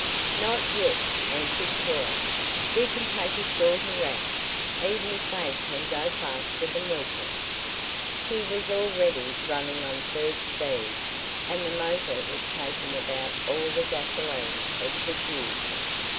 "Not yet," answered Cora. "We can take a shorter route, even if they can go faster than we can." She was already running on third speed, and the motor was taking about all the gasolene it could use.